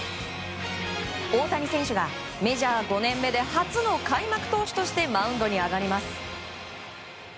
大谷選手がメジャー５年目で初の開幕投手としてマウンドに上がります。